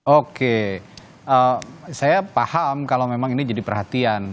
oke saya paham kalau memang ini jadi perhatian